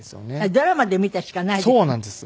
ドラマで見たしかないです。